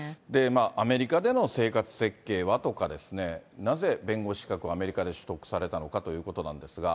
アメリカでの生活設計は？とかですね、なぜ弁護士資格をアメリカで取得されたのかということなんですが。